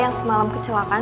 yang semalam kecelakaan